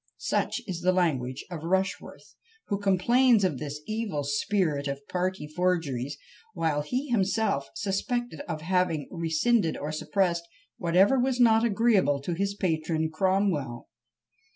Such is the language of Rushworth, who complains of this evil spirit of party forgeries, while he is himself suspected of having rescinded or suppressed whatever was not agreeable to his patron Cromwell.